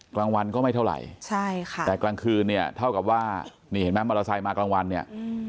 กลางวันก็ไม่เท่าไหร่ใช่ค่ะแต่กลางคืนเนี่ยเท่ากับว่านี่เห็นไหมมอเตอร์ไซค์มากลางวันเนี่ย